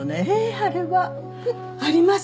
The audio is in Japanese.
あれはあります？